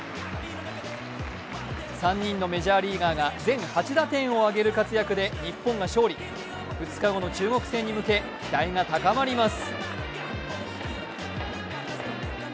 ３人のメジャーリーガーが全８打点を挙げる活躍で日本が勝利２日後の中国戦に向け期待が高まります。